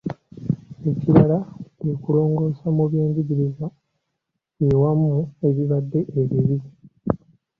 Ekirala kwe kulongoosa mu byenjigiriza awamu ebibadde ebibi.